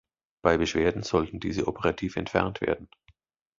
Bei Beschwerden sollten diese operativ entfernt werden.